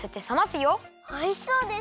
おいしそうです！